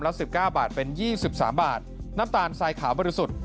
ละ๑๙บาทเป็น๒๓บาทน้ำตาลทรายขาวบริสุทธิ์